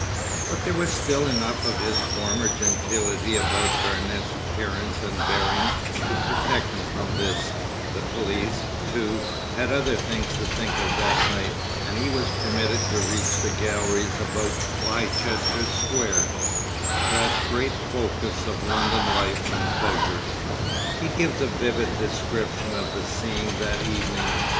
But there was still enough of his former gentility about Barnet's appearance and bearing to protect him from this; the police, too, had other things to think of that night, and he was permitted to reach the galleries about Leicester Square—that great focus of London life and pleasure. He gives a vivid description of the scene that evening.